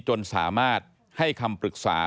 จนสามารถให้คำปรึกษา